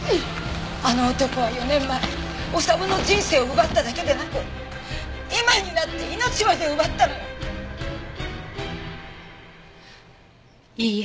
あの男は４年前修の人生を奪っただけでなく今になって命まで奪ったのよ！